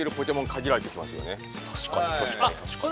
確かに確かに確かに。